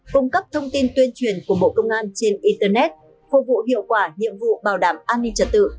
cung cấp thông tin tuyên truyền của bộ công an trên internet phục vụ hiệu quả nhiệm vụ bảo đảm an ninh trật tự